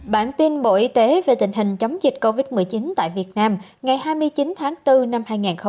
bản tin bộ y tế về tình hình chống dịch covid một mươi chín tại việt nam ngày hai mươi chín tháng bốn năm hai nghìn hai mươi